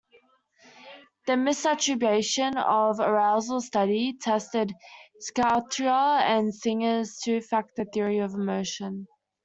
The misattribution of arousal study tested Schachter and Singer's two-factor theory of emotion.